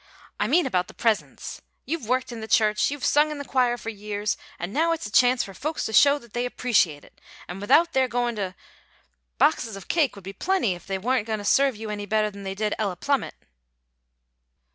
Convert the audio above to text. "I mean about the presents. You've worked in the church, you've sung in the choir for years, and now it's a chance for folks to show that they appreciate it, and without they're goin' to Boxes of cake would be plenty if they wa'n't goin' to serve you any better than they did Ella Plummet."